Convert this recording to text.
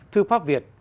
thư pháp việt